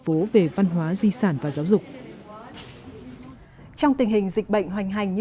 phố về văn hóa di sản và giáo dục trong tình hình dịch bệnh hoành hành như